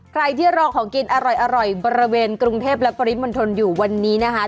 ใครที่รอของกินอร่อยบริเวณกรุงเทพและปริมณฑลอยู่วันนี้นะคะ